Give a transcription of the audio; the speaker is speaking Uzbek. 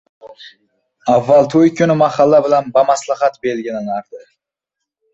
Avval to‘y kuni mahalla bilan bamaslahat belgilanardi.